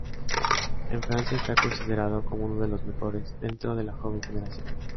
En Francia está considerado como uno de los mejores dentro de la joven generación.